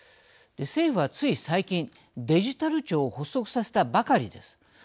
政府はつい最近デジタル庁を発足させたばかりです。